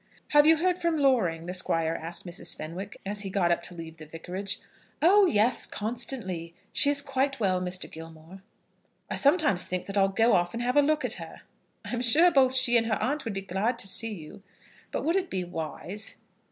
"Have you heard from Loring?" the Squire asked Mrs. Fenwick as he got up to leave the Vicarage. "Oh, yes, constantly. She is quite well, Mr. Gilmore." "I sometimes think that I'll go off and have a look at her." "I'm sure both she and her aunt would be glad to see you." "But would it be wise?"